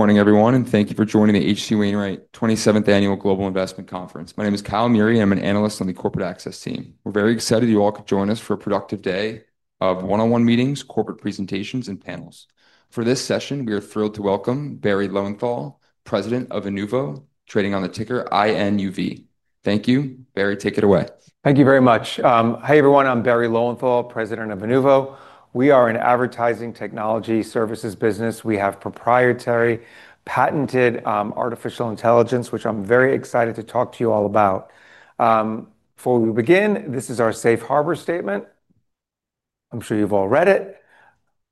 Good morning, everyone, and thank you for joining the H.C. Wainwright 27th Annual Global Investment Conference. My name is Kyle Meury, and I'm an Analyst on the Corporate Access team. We're very excited you all could join us for a productive day of one-on-one meetings, corporate presentations, and panels. For this session, we are thrilled to welcome Barry Lowenthal, President of Inuvo, trading on the ticker INUV. Thank you. Barry, take it away. Thank you very much. Hey, everyone. I'm Barry Lowenthal, President of Inuvo. We are an advertising technology services business. We have proprietary, patented artificial intelligence, which I'm very excited to talk to you all about. Before we begin, this is our safe harbor statement. I'm sure you've all read it.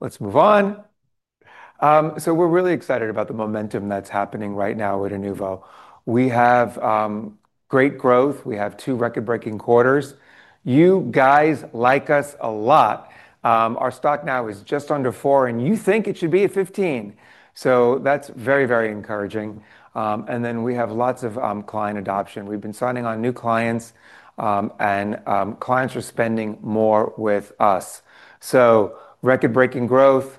Let's move on. We're really excited about the momentum that's happening right now at Inuvo. We have great growth. We have two record-breaking quarters. You guys like us a lot. Our stock now is just under $4, and you think it should be at $15. That's very, very encouraging. We have lots of client adoption. We've been signing on new clients, and clients are spending more with us. Record-breaking growth,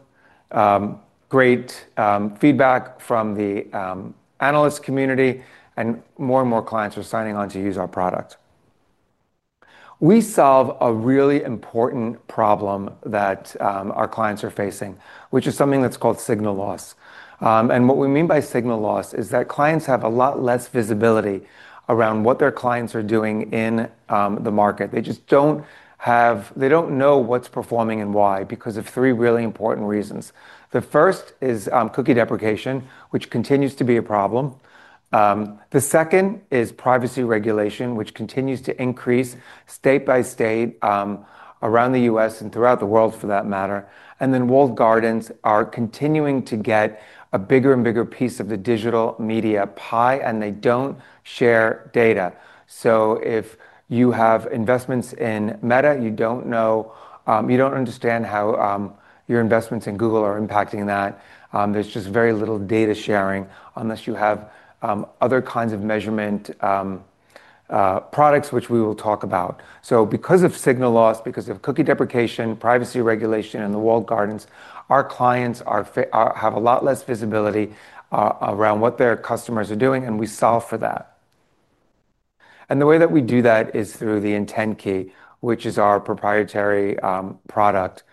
great feedback from the analyst community, and more and more clients are signing on to use our product. We solve a really important problem that our clients are facing, which is something that's called signal loss. What we mean by signal loss is that clients have a lot less visibility around what their clients are doing in the market. They just don't have, they don't know what's performing and why because of three really important reasons. The first is cookie deprecation, which continues to be a problem. The second is privacy regulation, which continues to increase state by state around the U.S. and throughout the world, for that matter. Walled gardens are continuing to get a bigger and bigger piece of the digital media pie, and they don't share data. If you have investments in Meta, you don't know, you don't understand how your investments in Google are impacting that. There's just very little data sharing unless you have other kinds of measurement products, which we will talk about. Because of signal loss, because of cookie deprecation, privacy regulation, and the walled gardens, our clients have a lot less visibility around what their customers are doing, and we solve for that. The way that we do that is through the IntentKey, which is our proprietary product.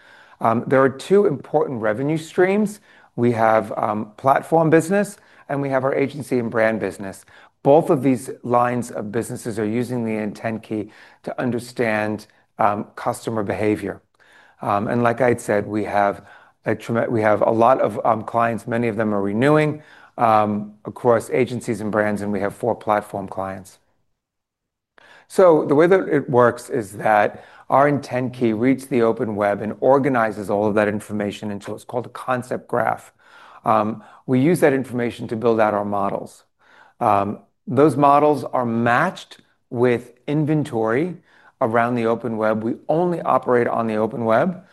There are two important revenue streams. We have platform business, and we have our agency and brand business. Both of these lines of business are using the IntentKey to understand customer behavior. Like I'd said, we have a lot of clients. Many of them are renewing, of course, agencies and brands, and we have four platform clients. The way that it works is that our IntentKey reads the open web and organizes all of that information into what's called a concept graph. We use that information to build out our models. Those models are matched with inventory around the open web. We only operate on the open web.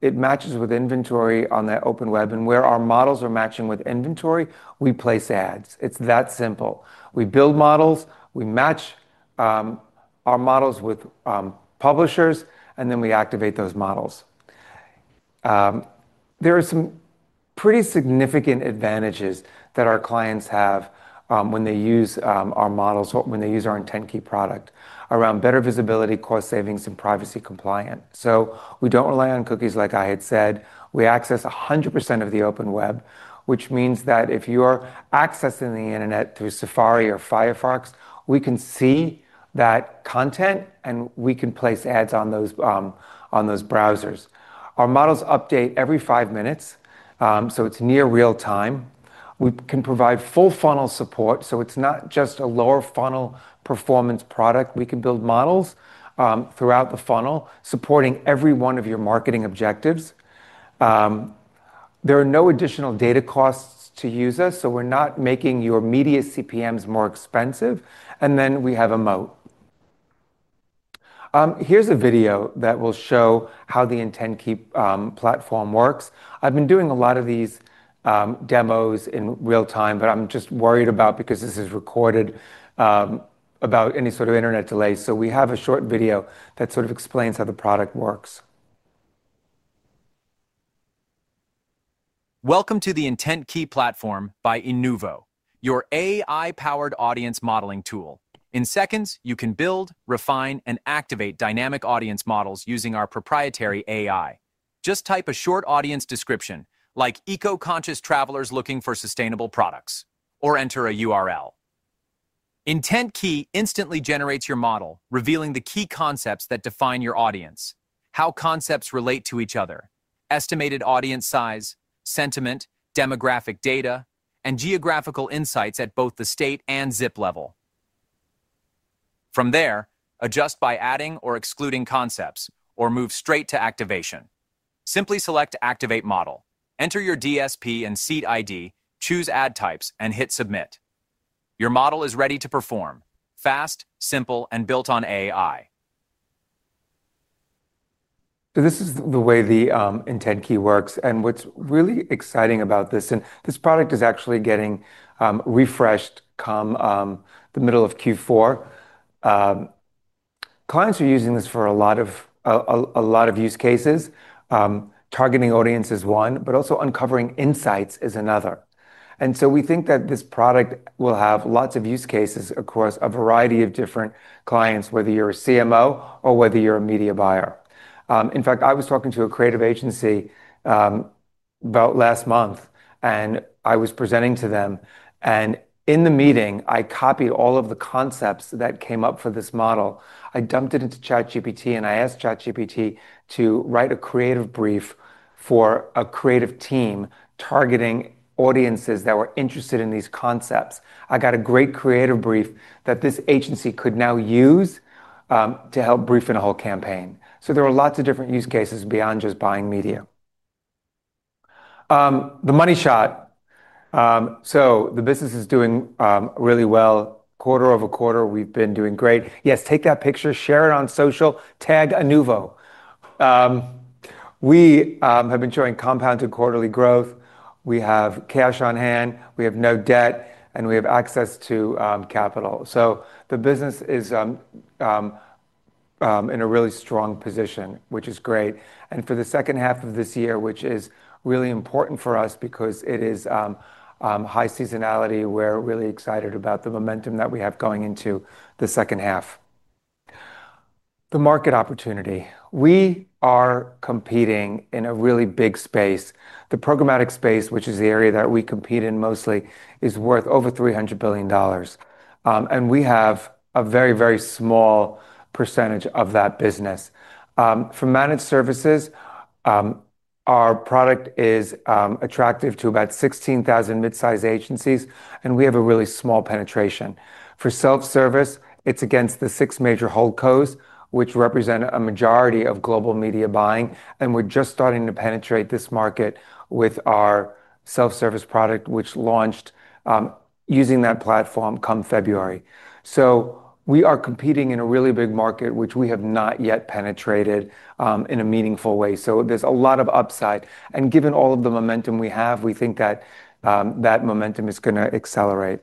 It matches with inventory on that open web, and where our models are matching with inventory, we place ads. It's that simple. We build models, we match our models with publishers, and then we activate those models. There are some pretty significant advantages that our clients have when they use our models, when they use our IntentKey product around better visibility, cost savings, and privacy compliance. We don't rely on cookies, like I had said. We access 100% of the open web, which means that if you are accessing the Internet through Safari or Firefox, we can see that content, and we can place ads on those browsers. Our models update every five minutes, so it's near real-time. We can provide full funnel support, so it's not just a lower funnel performance product. We can build models throughout the funnel, supporting every one of your marketing objectives. There are no additional data costs to use us, so we're not making your media CPMs more expensive. We have a moat. Here's a video that will show how the IntentKey Platform works. I've been doing a lot of these demos in real-time, but I'm just worried because this is recorded about any sort of Internet delays. We have a short video that sort of explains how the product works. Welcome to the IntentKey Platform by Inuvo, your AI-powered audience modeling tool. In seconds, you can build, refine, and activate dynamic audience models using our proprietary AI. Just type a short audience description, like eco-conscious travelers looking for sustainable products, or enter a URL. IntentKey instantly generates your model, revealing the key concepts that define your audience, how concepts relate to each other, estimated audience size, sentiment, demographic data, and geographical insights at both the state and zip level. From there, adjust by adding or excluding concepts, or move straight to activation. Simply select activate model, enter your DSP and seed ID, choose ad types, and hit submit. Your model is ready to perform. Fast, simple, and built on AI. This is the way the IntentKey works. What's really exciting about this, and this product is actually getting refreshed come the middle of Q4. Clients are using this for a lot of use cases. Targeting audience is one, but also uncovering insights is another. We think that this product will have lots of use cases across a variety of different clients, whether you're a CMO or whether you're a media buyer. In fact, I was talking to a creative agency about last month, and I was presenting to them. In the meeting, I copied all of the concepts that came up for this model. I dumped it into ChatGPT, and I asked ChatGPT to write a creative brief for a creative team targeting audiences that were interested in these concepts. I got a great creative brief that this agency could now use to help brief in a whole campaign. There are lots of different use cases beyond just buying media. The money shot. The business is doing really well. Quarter-over-quarter, we've been doing great. Yes, take that picture, share it on social, tag Inuvo. We have been showing compounded quarterly growth. We have cash on hand, we have no debt, and we have access to capital. The business is in a really strong position, which is great. For the second half of this year, which is really important for us because it is high seasonality, we're really excited about the momentum that we have going into the second half. The market opportunity. We are competing in a really big space. The programmatic space, which is the area that we compete in mostly, is worth over $300 billion. We have a very, very small percentage of that business. For managed services, our product is attractive to about 16,000 mid-size agencies, and we have a really small penetration. For self-service, it's against the six major whole co's, which represent a majority of global media buying. We're just starting to penetrate this market with our self-service product, which launched using that platform come February. We are competing in a really big market, which we have not yet penetrated in a meaningful way. There's a lot of upside. Given all of the momentum we have, we think that that momentum is going to accelerate.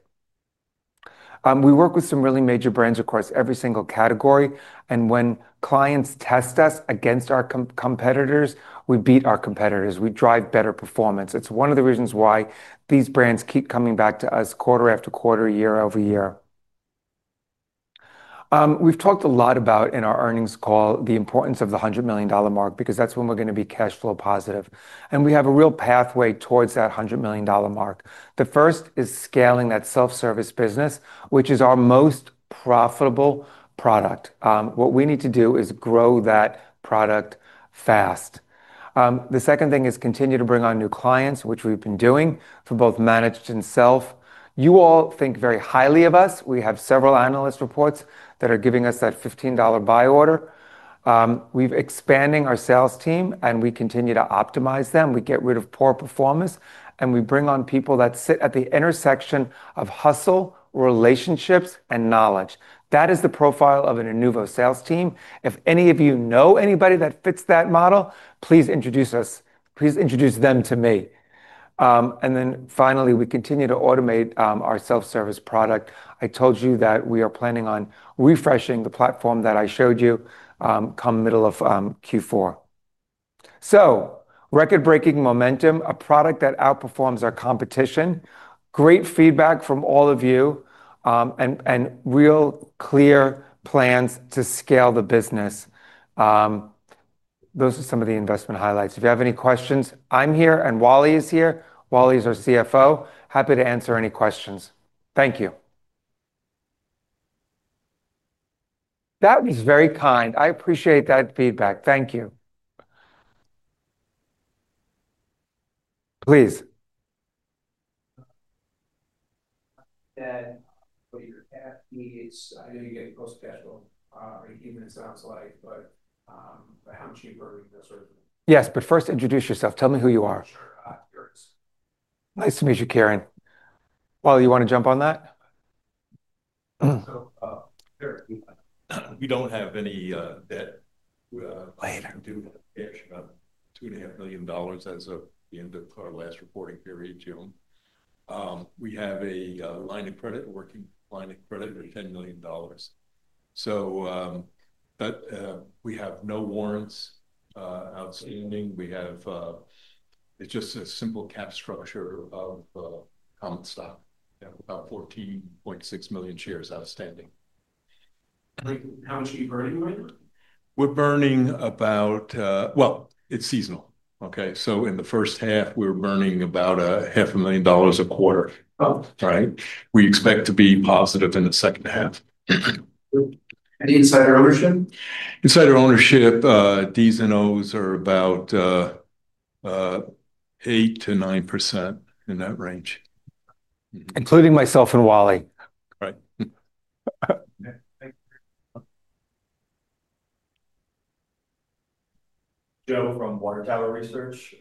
We work with some really major brands, across every single category. When clients test us against our competitors, we beat our competitors. We drive better performance. It's one of the reasons why these brands keep coming back to us quarter after quarter, year-over-year. We've talked a lot about in our earnings call the importance of the $100 million mark, because that's when we're going to be cash flow positive. We have a real pathway towards that $100 million mark. The first is scaling that self-service business, which is our most profitable product. What we need to do is grow that product fast. The second thing is continue to bring on new clients, which we've been doing for both managed and self. You all think very highly of us. We have several analyst reports that are giving us that $15 buy order. We're expanding our sales team, and we continue to optimize them. We get rid of poor performers, and we bring on people that sit at the intersection of hustle, relationships, and knowledge. That is the profile of an Inuvo sales team. If any of you know anybody that fits that model, please introduce us. Please introduce them to me. Finally, we continue to automate our self-service product. I told you that we are planning on refreshing the platform that I showed you come middle of Q4. Record-breaking momentum, a product that outperforms our competition, great feedback from all of you, and real clear plans to scale the business. Those are some of the investment highlights. If you have any questions, I'm here and Wally is here. Wally is our CFO. Happy to answer any questions. Thank you. That was very kind. I appreciate that feedback. Thank you. Please. What are your pathways? I know you get post-casual. Human sounds like, but I have cheaper. Yes, but first introduce yourself. Tell me who you are. Sure. Nice to meet you, Karen. Wally, do you want to jump on that? We don't have any debt. We actually got $2.5 million as of the end of our last reporting period, June. We have a line of credit, a working line of credit of $10 million. We have no warrants outstanding. It's just a simple cap structure of common stock. We have about 14.6 million shares outstanding. How much are you burning right now? It's seasonal. In the first half, we were burning about $0.5 million a quarter. We expect to be positive in the second half. Insider ownership? Insider ownership, D's and O's are about 8%-9% in that range. Including myself and Wally. Right. [inaudible] Tower Research.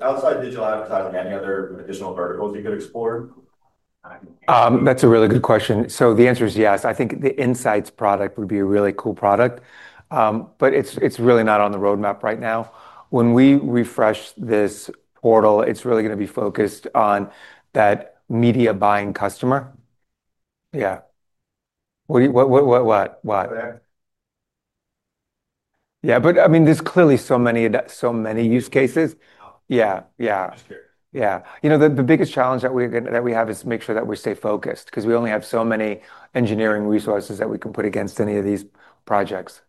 Outside digital, have you thought of any other additional verticals you could explore? That's a really good question. The answer is yes. I think the Insights product would be a really cool product, but it's really not on the roadmap right now. When we refresh this portal, it's really going to be focused on that media buying customer. There's clearly so many use cases. You know, the biggest challenge that we have is to make sure that we stay focused because we only have so many engineering resources that we can put against any of these projects.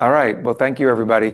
Thank you, everybody.